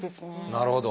なるほど。